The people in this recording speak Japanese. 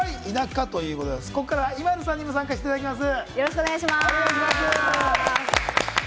田舎ということで、ここからＩＭＡＬＵさんにも参加していただきます。